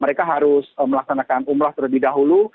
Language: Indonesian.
mereka harus melaksanakan umroh terlebih dahulu